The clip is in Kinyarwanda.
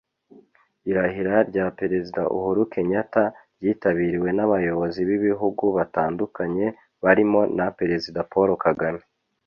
Irahira rya Perezida Uhuru Kenyatta ryitabiriwe n’abayobozi b’ibihugu batandukanye barimo na Perezida Paul Kagame